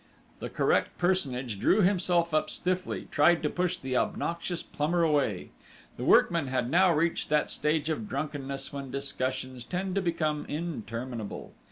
The correct personage drew himself up stiffly: tried to push the obnoxious plumber away.... The workman had now reached that stage of drunkenness when discussions tend to become interminable.